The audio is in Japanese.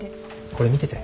これ見てて。